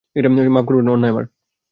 মাপ করবেন, অন্যায় আমার।